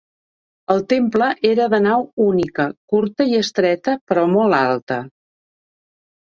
El temple era de nau única, curta i estreta, però molt alta.